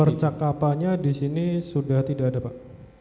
percakapannya di sini sudah tidak ada pak